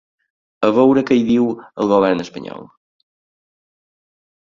A veure què hi diu el govern espanyol.